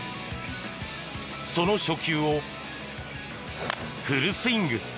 その初球をフルスイング。